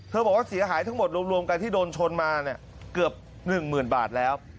บอกว่าเสียหายทั้งหมดรวมกันที่โดนชนมาเนี่ยเกือบ๑๐๐๐บาทแล้ว